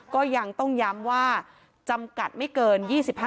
ก็ยังต้องย้ำว่าจำกัดไม่เกิน๒๕